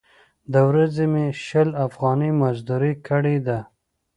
د ورځې مې شل افغانۍ مزدورۍ کړې ده.